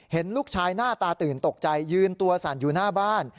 เห็นลูกชายหน้าตาตื่นตกใจยืนตัวสั่นอยู่หน้าบ้าน